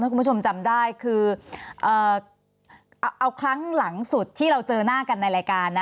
คุณผู้ชมจำได้คือเอาครั้งหลังสุดที่เราเจอหน้ากันในรายการนะ